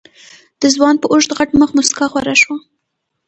د ځوان په اوږد غټ مخ موسکا خوره شوه.